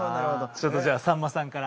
ちょっとじゃあさんまさんから。